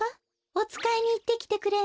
おつかいにいってきてくれない？